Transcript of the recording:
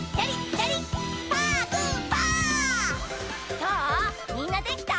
どうみんなできた？